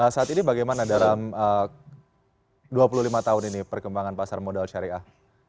saat ini bagaimana dalam dua puluh lima tahun ini perkembangan pasar modal syariah